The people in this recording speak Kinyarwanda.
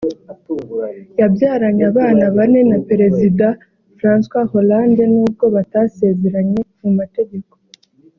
yabyaranye abana bane na Perezida Francois Hollande n’ubwo batasezeranye mu mategeko